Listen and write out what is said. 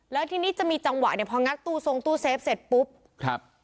แล้วทีนี้จะมีจังหวะเนี่ยพองัดตู้ทรงตู้เซฟเสร็จปุ๊บครับ